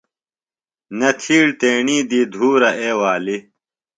نہ تِھیڑ تیݨی دی دُھورہ اے والی۔